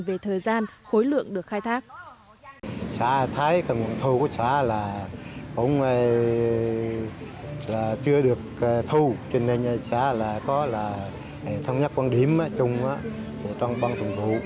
về thời gian khối lượng được khai thác